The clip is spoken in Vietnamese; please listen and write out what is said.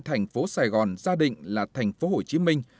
thành phố sài gòn gia định là thành phố hồ chí minh